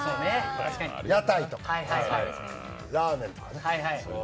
屋台とか、ラーメンとかね。